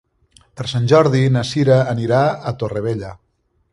Per Sant Jordi na Sira anirà a Torrevella.